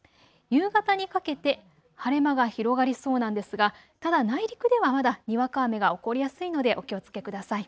夕方にかけて晴れ間が広がりそうなんですが、ただ内陸ではまだにわか雨が起こりやすいのでお気をつけください。